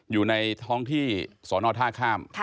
อยู่ในท้องที่สอนอท่าข้าม